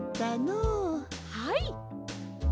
はい！